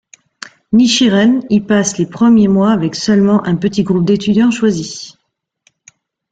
Nichiren y passe les premiers mois avec seulement un petit groupe d'étudiants choisis.